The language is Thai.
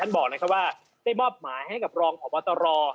ท่านบอกว่าได้บ้อบหมายให้กับรองของวัตรรอ